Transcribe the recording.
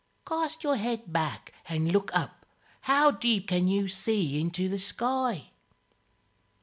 Cast your head back and look up how deep can you see into the sky?"